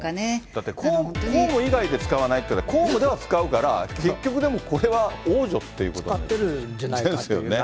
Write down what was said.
だって公務以外で使わないっていうのは、公務では使うから、結局でも、これは王女っていうことですよね。ですよね。